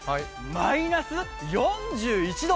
マイナス４１度。